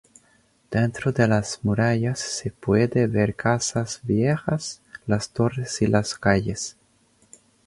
Dentro de las murallas se puede ver casas viejas, las torres y las calles.